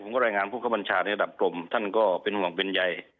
รายงานผู้เข้าบัญชาในระดับกลมท่านก็เป็นห่วงเป็นใย